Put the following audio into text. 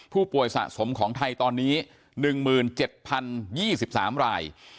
ผู้ป่วยสะสมของไทยตอนนี้หนึ่งหมื่นเจ็ดพันยี่สิบสามราย